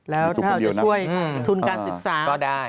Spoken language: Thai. แล้วถ้าเราจะช่วยทุนการศึกษาก็ได้